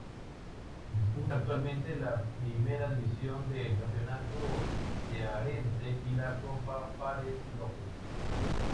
Disputa actualmente la primera división del Campeonato Cearense y la Copa Fares Lopes.